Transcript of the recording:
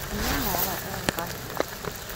Níl mála ar an gcathaoir